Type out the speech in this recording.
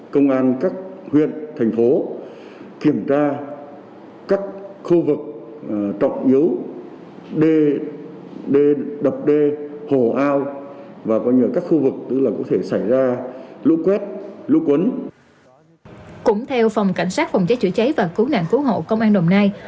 cũng theo phòng cảnh sát phòng chế chữa cháy và cứu nạn cứu hộ công an đồng nai